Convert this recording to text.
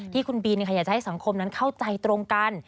ที่คุณบินอยากจะให้สังคมนั้นเข้าใจตรงกัน